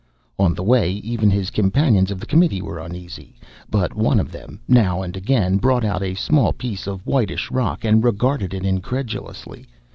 On the way, even his companions of the committee were uneasy. But one of them, now and again, brought out a small piece of whitish rock and regarded it incredulously.